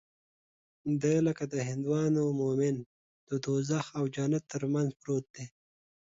دى لکه د هندوانو مومن د دوږخ او جنت تر منځ پروت دى.